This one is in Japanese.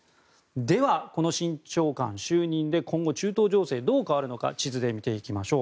では、この新長官就任で今後、中東情勢どう変わるのか地図で見ていきましょう。